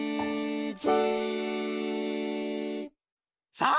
さあ！